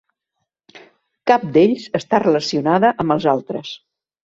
Cap d'ells està relacionada amb els altres.